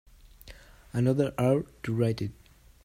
Another hour to write it.